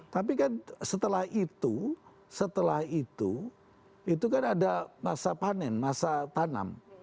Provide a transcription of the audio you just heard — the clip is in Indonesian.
tapi kan setelah itu setelah itu itu kan ada masa panen masa tanam